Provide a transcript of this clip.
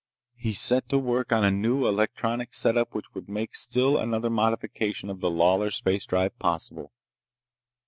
He set to work on a new electronic setup which would make still another modification of the Lawlor space drive possible.